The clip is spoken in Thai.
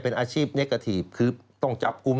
เป็นอาชีพเนกกาทีฟคือต้องจับกลุ่ม